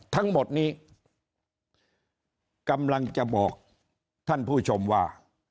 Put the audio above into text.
ทั้งหมดนี้กำลังจะบอกท่านผู้ชมว่า